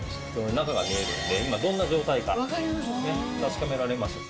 中が見えるので今どんな状態か確かめられます。